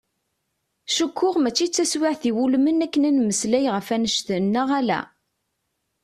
Cukkuɣ mačči d taswiεt iwulmen akken ad nmeslay ɣef annect-n, neɣ ala?